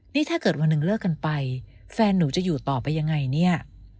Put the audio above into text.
นี่ถ้าเกิดวันหนึ่งเลิกกันไปแฟนหนูจะอยู่ต่อไปยังไงเนี่ย